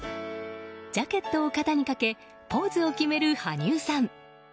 ジャケットを肩にかけポーズを決める羽生さん。